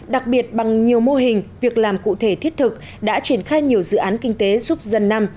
đặc biệt bằng nhiều mô hình việc làm cụ thể thiết thực đã triển khai nhiều dự án kinh tế giúp dân năm